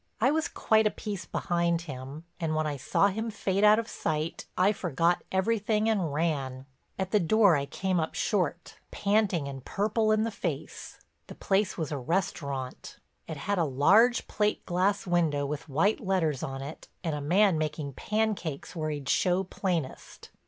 I was quite a piece behind him and when I saw him fade out of sight I forgot everything and ran. At the door I came up short, panting and purple in the face—the place was a restaurant. It had a large plate glass window with white letters on it and a man making pancakes where he'd show plainest.